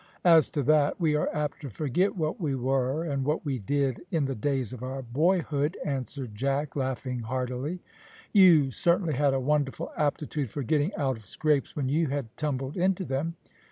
"As to that, we are apt to forget what we were, and what we did, in the days of our boyhood," answered Jack, laughing heartily. "You certainly had a wonderful aptitude for getting out of scrapes when you had tumbled into them.